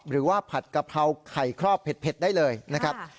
ผัดกะเพราไข่ครอบเผ็ดได้เลยนะครับ